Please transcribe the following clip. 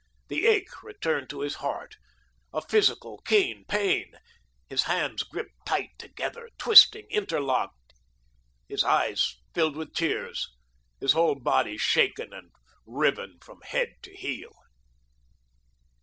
The ache returned to his heart a physical keen pain; his hands gripped tight together, twisting, interlocked, his eyes filled with tears, his whole body shaken and riven from head to heel.